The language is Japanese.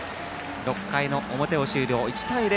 ６回の表を終了して１対０。